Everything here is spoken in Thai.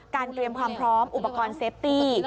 เตรียมความพร้อมอุปกรณ์เซฟตี้